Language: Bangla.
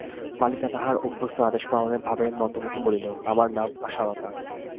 বালিকা তাহার অভ্যস্ত আদেশপালনের ভাবে নতমুখে বলিল, আমার নাম আশালতা।